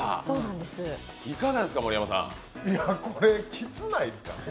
これ、キツないですか？